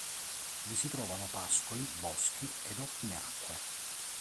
Vi si trovano pascoli, boschi ed ottime acque.